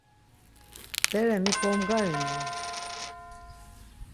Bere mik omgarinu?